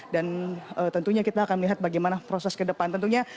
dan tentunya kita akan melihat bagaimana proses ke depan